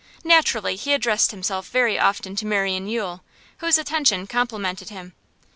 Naturally he addressed himself very often to Marian Yule, whose attention complimented him.